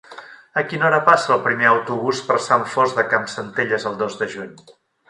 A quina hora passa el primer autobús per Sant Fost de Campsentelles el dos de juny?